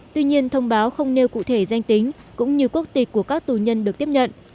tuy nhiên thông báo không nêu cụ thể danh tính cũng như quốc tịch của các tù nhân được tiếp nhận